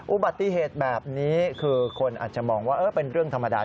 อุบัติเหตุแบบนี้คือคนอาจจะมองว่าเป็นเรื่องธรรมดา